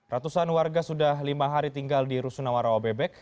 ratusan warga sudah lima hari tinggal di rusunawa raubebek